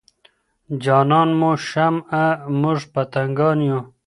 جانان مو شمع موږ پتنګان یو